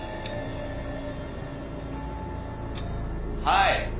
はい。